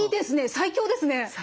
最強ですね。